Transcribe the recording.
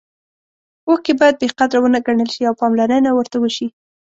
اوښکې باید بې قدره ونه ګڼل شي او پاملرنه ورته وشي.